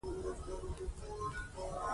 لیسټرډ وویل چې نورې خبرې لا پاتې دي.